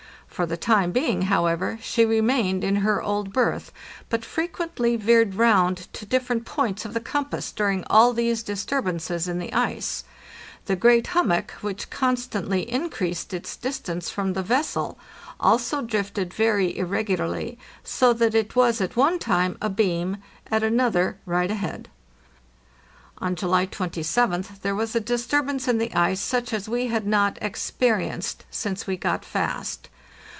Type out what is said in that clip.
For the time being, however, she remained in her old berth, but frequently veered round to different points of the compass during all these disturbances in the ice. The great hummock, which constantly increased its distance from the vessel, also drifted very irregularly, so that it was at one time abeam, at another right ahead. On July 27th there was a disturbance in the ice such as we had not experienced since we got fast.